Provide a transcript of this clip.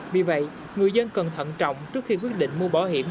vì vậy người dân cần thận trọng trước khi quyết định mua bảo hiểm